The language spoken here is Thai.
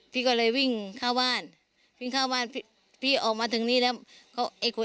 พี่ก็เลยวิ่งเข้าบ้านวิ่งเข้าบ้านพี่ออกมาถึงนี้แล้วก็ไอ้คน